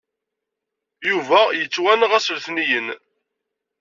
Yuba yettwenɣ ass n letniyen.